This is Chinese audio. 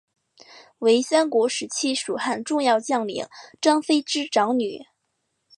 为三国时期蜀汉重要将领张飞之长女。